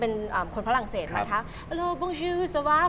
เป็นคนฝรั่งเศสมาเท้าฮัลโหลบองชื่อสวัสดี